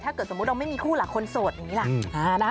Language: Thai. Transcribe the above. ถ้าเกิดสมมติเราไม่มีคู่หลักคนโสดอย่างนี้ล่ะ